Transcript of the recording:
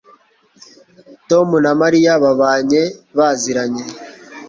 tom na mariya babanye baziranye